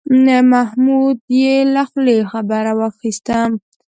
محمود یې له خولې خبره واخیسته.